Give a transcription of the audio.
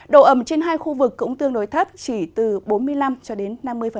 độ ẩm trên hai khu vực cũng tương đối thấp chỉ từ bốn mươi năm cho đến năm mươi